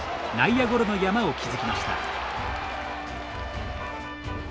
内野ゴロの山を築きました。